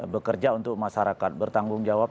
bekerja untuk masyarakat bertanggung jawab